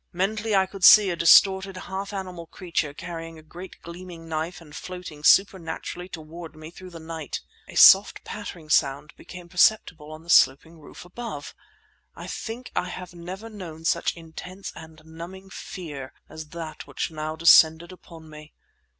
Mentally I could see a distorted half animal creature carrying a great gleaming knife and floating supernaturally toward me through the night! A soft pattering sound became perceptible on the sloping roof above! I think I have never known such intense and numbing fear as that which now descended upon me.